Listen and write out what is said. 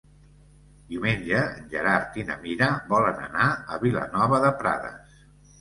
Diumenge en Gerard i na Mira volen anar a Vilanova de Prades.